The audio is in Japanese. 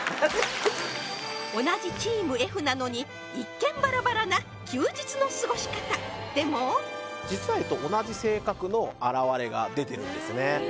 同じチームＦなのに一見バラバラな休日の過ごし方でも実は同じ性格の表れが出てるんですね